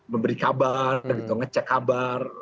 memberi kabar gitu ngecek kabar